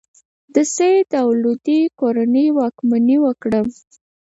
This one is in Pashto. د سید او لودي کورنۍ واکمني وکړه.